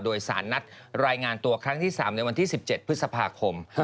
โดยสารนัดรายงานตัวครั้งที่๓ในวันที่๑๗พฤษภาคม